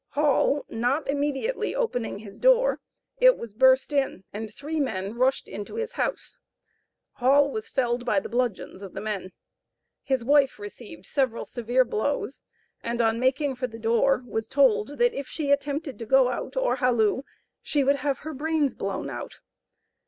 Hall, not immediately opening his door, it was burst in, and three men rushed into his house; Hall was felled by the bludgeons of the men. His wife received several severe blows, and on making for the door was told, that if she attempted to go out or halloo, she would have her brains blown out.